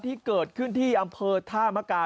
ที่เกิดขึ้นที่อำเภอท่ามกา